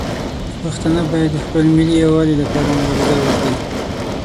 پښتانه باید د خپل ملي یووالي لپاره مبارزه وکړي.